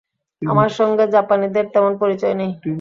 আমার সঙ্গে জাপানীদের তেমন পরিচয় নেই।